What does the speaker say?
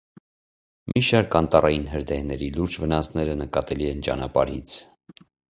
Մի շարք անտառային հրդեհների լուրջ վնասները նկատելի են ճանապարհից։